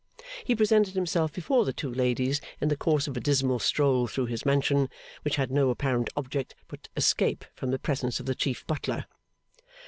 He presented himself before the two ladies in the course of a dismal stroll through his mansion, which had no apparent object but escape from the presence of the chief butler.